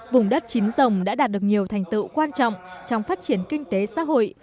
vùng đất chín rồng đã đạt được nhiều thành tựu quan trọng trong phát triển kinh tế xã hội